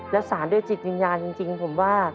แล้วสารด้วยจิตวิญญาณจริงผมว่า